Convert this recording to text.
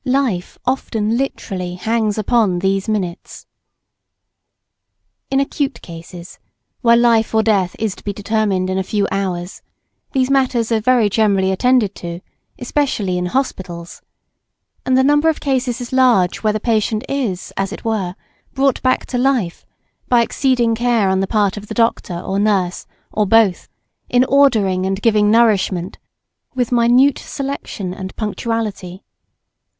Life often literally hangs upon these minutes. In acute cases, where life or death is to be determined in a few hours, these matters are very generally attended to, especially in Hospitals; and the number of cases is large where the patient is, as it were, brought back to life by exceeding care on the part of the Doctor or Nurse, or both, in ordering and giving nourishment with minute selection and punctuality.